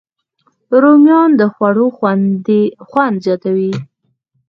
رومیان د خوړو خوند زیاتوي